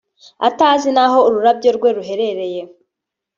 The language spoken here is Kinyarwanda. atazi n’aho urubyaro rwe ruherereye